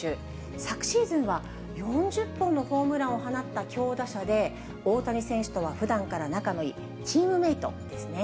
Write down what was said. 昨シーズンは４０本のホームランを放った強打者で、大谷選手とはふだんから仲のいいチームメートですね。